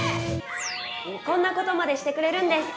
こんなことまでしてくれるんです！